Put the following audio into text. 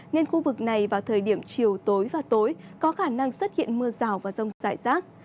nên khu vực này vào thời điểm chiều tối và tối có khả năng xuất hiện mưa rào và rông rải rác